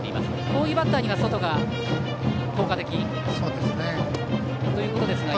こういうバッターには外が効果的ですか。